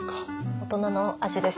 大人の味です。